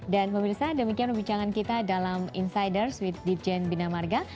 dan pemirsa demikian pembicaraan kita dalam insiders with dipjen bina marga